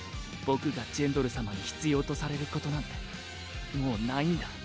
僕がジェンドル様に必要とされることなんてもうないんだ